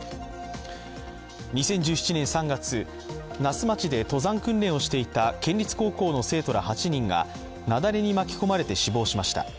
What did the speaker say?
２０１７年３月、那須町で登山訓練をしていた県立高校の生徒ら８人が雪崩に巻き込まれて死亡しました。